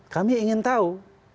kami ingin tahu